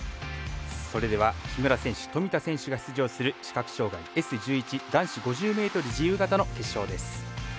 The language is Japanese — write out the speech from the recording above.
それでは木村選手富田選手が出場する視覚障がいＳ１１男子５０ｍ自由形の決勝です。